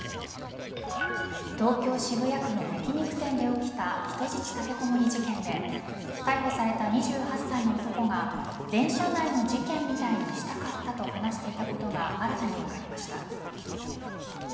東京・渋谷区の焼き肉店で起きた人質立てこもり事件で逮捕された２８歳の男が電車内の事件みたいにしたかったと話していたことが新たに分かりました。